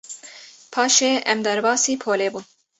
Paşê em derbasî polê bûn.